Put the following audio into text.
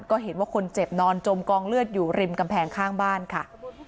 ก็เห็นว่าคนเจ็บนอนจมกองเลือดอยู่ริมกำแพงข้างบ้านค่ะ